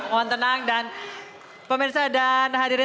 mohon tenang dan pemerintah dan hadirin sekalian